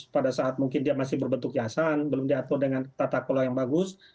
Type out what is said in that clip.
pada saat mungkin dia masih berbentuk yasan belum diatur dengan tata kelola yang bagus